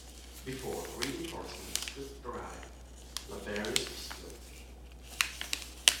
Before re-inforcements could arrive, Laberius was killed.